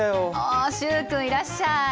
あ習君いらっしゃい！